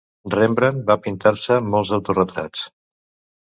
Rembrandt va pintar-se molts autoretrats.